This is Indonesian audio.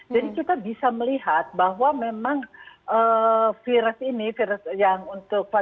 jadi kita bisa melihat bahwa memang virus ini virus yang untuk penyebaran